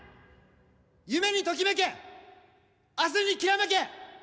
夢にときめけ明日にきらめけ！